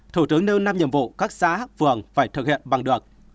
thủ tướng nêu năm nhiệm vụ các xã phường phải thực hiện bằng được